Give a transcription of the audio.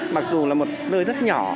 mặc dù là một nơi rất nhỏ